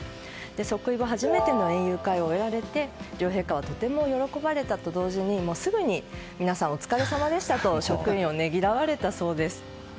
即位後初めての園遊会を終えられて両陛下はとても喜ばれたと同時にすぐに皆さんお疲れさまでしたと職員をねぎらわれたそうです。